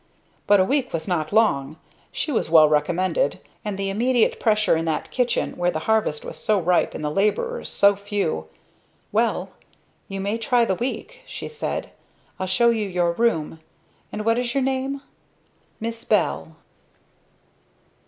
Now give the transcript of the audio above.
But a week was not long, she was well recommended, and the immediate pressure in that kitchen where the harvest was so ripe and the laborers so few "Well you may try the week," she said. "I'll show you your room. And what is your name?" "Miss Bell."